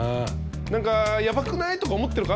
何かやばくない？とか思ってるか？